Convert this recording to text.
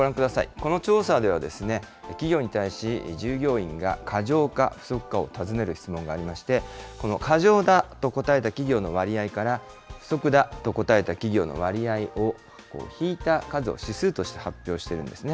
この調査では、企業に対し、従業員が過剰か不足かを尋ねる質問がありまして、この過剰だと答えた企業の割合から、不足だと答えた企業の割合を引いた数を指数として発表してるんですね。